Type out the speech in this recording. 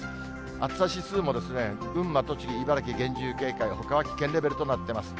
暑さ指数も群馬、栃木、茨城、厳重警戒、ほかは危険レベルとなっています。